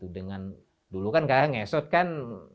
dengan dulu kan kadang ngesot kan